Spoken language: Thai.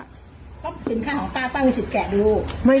จัดกระบวนพร้อมกัน